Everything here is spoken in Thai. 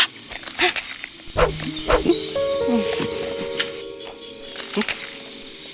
อื้มอื้ม